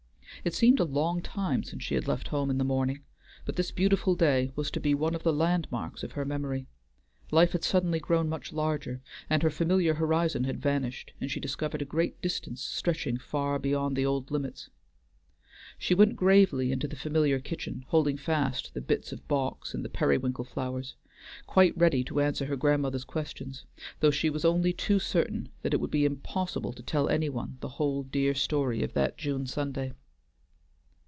It seemed a long time since she had left home in the morning, but this beautiful day was to be one of the landmarks of her memory. Life had suddenly grown much larger, and her familiar horizon had vanished and she discovered a great distance stretching far beyond the old limits. She went gravely into the familiar kitchen, holding fast the bits of box and the periwinkle flowers, quite ready to answer her grandmother's questions, though she was only too certain that it would be impossible to tell any one the whole dear story of that June Sunday.